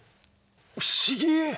不思議！